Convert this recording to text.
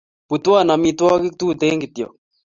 Putwon amitwakik tuten kityok